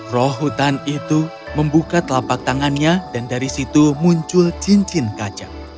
roh hutan itu membuka telapak tangannya dan dari situ muncul cincin kaca